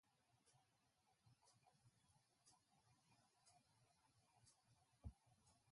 Here was the separation.